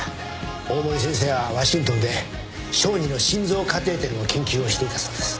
大森先生はワシントンで小児の心臓カテーテルの研究をしていたそうです。